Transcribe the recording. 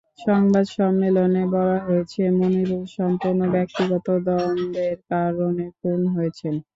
সংবাদ সম্মেলনে বলা হয়েছে, মনিরুল সম্পূর্ণ ব্যক্তিগত দ্বন্দ্বের কারণে খুন হয়েছেন।